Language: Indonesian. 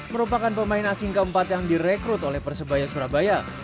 merupakan pemain asing keempat yang direkrut oleh persebaya surabaya